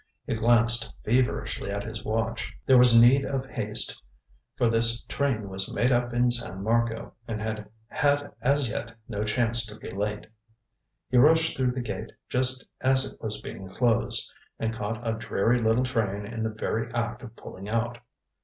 He glanced feverishly at his watch. There was need of haste, for this train was made up in San Marco, and had had as yet no chance to be late. He rushed through the gate just as it was being closed, and caught a dreary little train in the very act of pulling out.